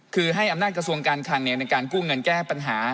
คือให้อำนาจกระทรวงการคลังในการกู้เงินแก้ปัญหา